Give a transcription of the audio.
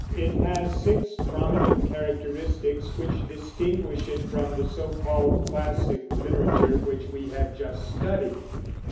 It has six prominent characteristics which distinguish it from the so called classic literature which we have just studied: 1.